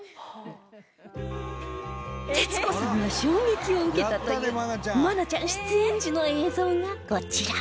徹子さんが衝撃を受けたという愛菜ちゃん出演時の映像がこちら